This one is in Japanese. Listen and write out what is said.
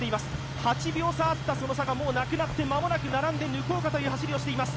８秒差あったその差がなくなって、まもなく並んで抜こうかという走りをしています。